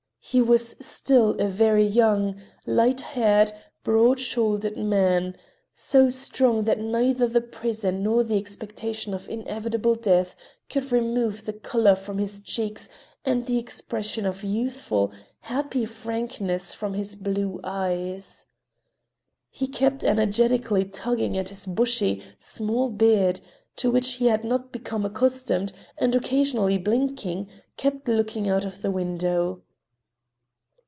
He was still a very young, light haired, broad shouldered man, so strong that neither the prison nor the expectation of inevitable death could remove the color from his cheeks and the expression of youthful, happy frankness from his blue eyes. He kept energetically tugging at his bushy, small beard, to which he had not become accustomed, and continually blinking, kept looking out of the window.